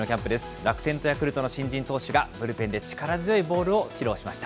楽天とヤクルトの新人投手が、ブルペンで力強いボールを披露しました。